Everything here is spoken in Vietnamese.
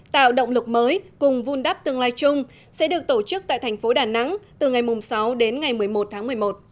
tạo động lực mới cùng vun đắp tương lai chung sẽ được tổ chức tại thành phố đà nẵng từ ngày sáu đến ngày một mươi một tháng một mươi một